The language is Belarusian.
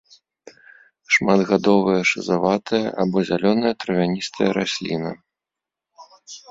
Шматгадовая шызаватая або зялёная травяністая расліна.